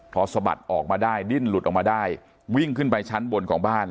พอสะบัดออกมาได้ดิ้นหลุดออกมาได้วิ่งขึ้นไปชั้นบนของบ้าน